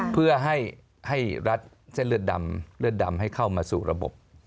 เพื่อให้รัดเส้นเลือดดำให้เข้ามาสู่ระบบ